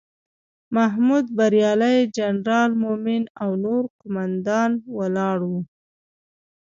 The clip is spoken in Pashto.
محمود بریالی، جنرال مومن او نور قوماندان ولاړ وو.